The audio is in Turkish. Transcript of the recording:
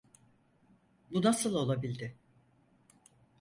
Bu nasıl olabildi?